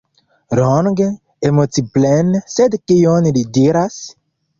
Longe, emociplene, sed kion li diras?